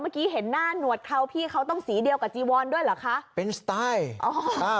เมื่อกี้เห็นหน้าหนวดเขาต้องสีเดียวกับจิวรด้วยเหรอคะ